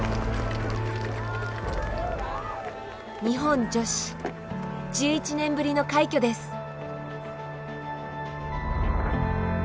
日本女子１１年ぶりの快挙です。